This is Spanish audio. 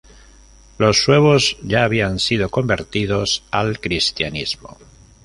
Los suevos ya habían sido convertidos al cristianismo.